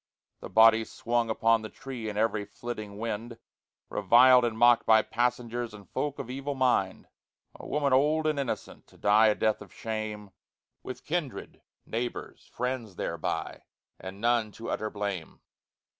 The body swung upon the tree In every flitting wind, Reviled and mocked by passengers And folk of evil mind. A woman old and innocent, To die a death of shame, With kindred, neighbors, friends thereby, And none to utter blame.